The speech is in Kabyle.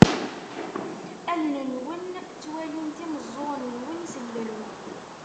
Allen-nwen ttwalint, imeẓẓuɣen-nwen sellen.